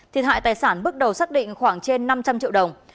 thiệt hại tài sản bước đầu xác định khoảng trên năm trăm linh triệu đồng